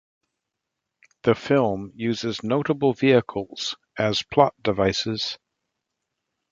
The film uses notable vehicles as plot devices.